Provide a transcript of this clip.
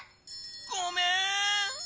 ごめん！